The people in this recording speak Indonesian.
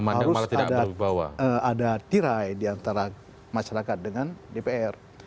harus ada tirai di antara masyarakat dengan dpr